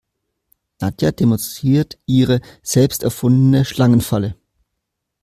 Nadja demonstriert ihre selbst erfundene Schlangenfalle.